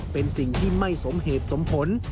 เป็นสิ่งที่ไม่สมเหตุสมผล